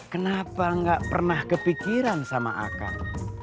kenapa gak pernah kepikiran sama akan